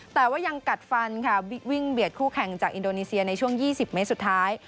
แต่ว่ายังกัดฟันค่ะวิ่งเบียดคู่แข่งจากอินโดนีเซียในช่วง๒๐เมตรสุดท้าย